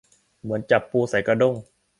เหมือนจับปูใส่กระด้ง